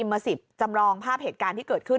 มา๑๐จำลองภาพเหตุการณ์ที่เกิดขึ้น